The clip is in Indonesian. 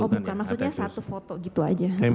oh bukan maksudnya satu foto gitu aja